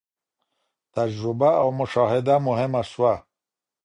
تجربه او مشاهده مهمه سوه.